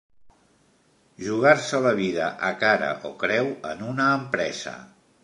Jugar-se la vida a cara o creu en una empresa.